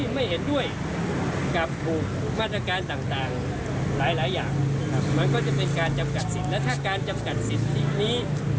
มันก็จะเป็นการจำกัดสิทธิและถ้าการจำกัดสิทธินี้